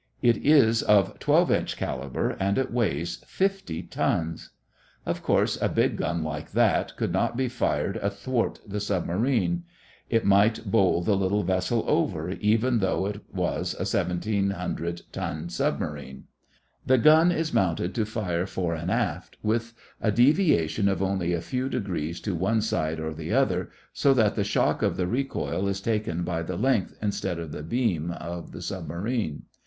It is of 12 inch caliber and weighs 50 tons. Of course a big gun like that could not be fired athwart the submarine. It might bowl the little vessel over, even though it was a 1700 ton submarine. The gun is mounted to fire fore and aft, with a deviation of only a few degrees to one side or the other, so that the shock of the recoil is taken by the length instead of the beam of the submarine.